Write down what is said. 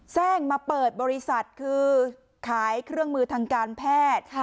่งมาเปิดบริษัทคือขายเครื่องมือทางการแพทย์